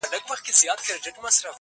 ستړى په گډا سومه ،چي، ستا سومه